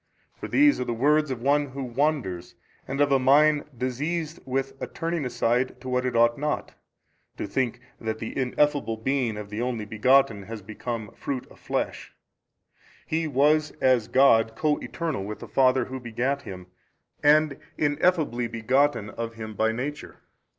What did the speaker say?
For these are the words of one who wanders, and of a mind diseased with a turning aside to what it ought not, to think that the Ineffable Being of the Only Begotten has become fruit of flesh: He was as God Co Eternal with the Father Who begat Him and Ineffably begotten of Him by Nature.